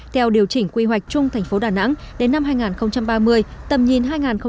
theo điều chỉnh quy hoạch chung tp đà nẵng đến năm hai nghìn ba mươi tầm nhìn hai nghìn bốn mươi năm